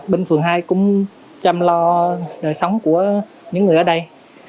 bên phường hai cũng chăm lo đời sống của những người ở đây